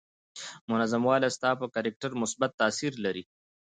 منظم والی ستا پر کرکټر مثبت تاثير لري.